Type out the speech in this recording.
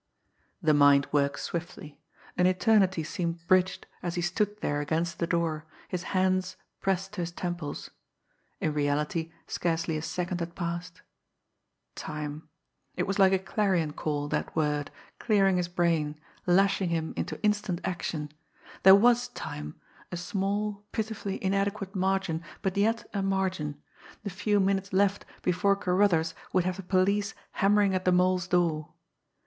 The mind works swiftly. An eternity seemed bridged as he stood there against the door, his hands pressed to his temples in reality scarcely a second had passed. Time! It was like a clarion call, that word, clearing his brain, lashing him into instant action. There was time, a small, pitifully inadequate margin, but yet a margin the few minutes left before Carruthers would have the police hammering at the Mole's door.